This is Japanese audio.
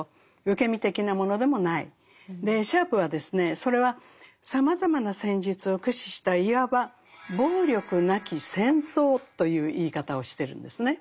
それはさまざまな戦術を駆使したいわば暴力なき「戦争」という言い方をしてるんですね。